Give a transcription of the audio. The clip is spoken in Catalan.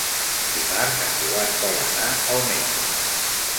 Dimarts en Joan vol anar al metge.